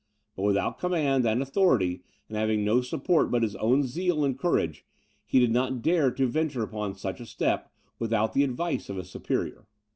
But without command and authority, and having no support but his own zeal and courage, he did not dare to venture upon such a step without the advice of a superior.